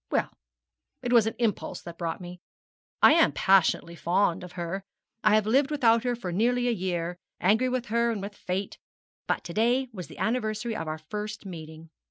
Well, it was an impulse that brought me. I am passionately fond of her. I have lived without her for nearly a year angry with her and with fate but to day was the anniversary of our first meeting.